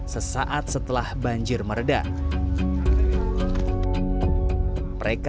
sesaat setelah banjir meredah